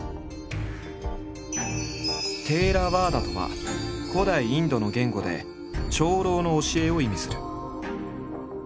「テーラワーダ」とは古代インドの言語で「長老の教え」を意味する。